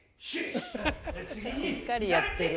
しっかりやってる。